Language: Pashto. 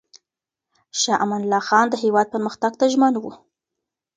شاه امان الله خان د هېواد پرمختګ ته ژمن و.